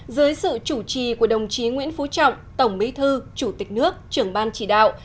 dưới sự chủ trì của đồng chí nguyễn phú trọng tổng bí thư chủ tịch nước trưởng ban chỉ đạo